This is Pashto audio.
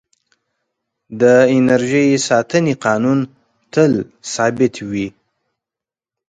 د انرژۍ ساتنې قانون تل ثابت وي.